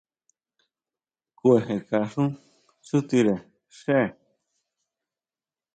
Kujekaxú tsutire xe.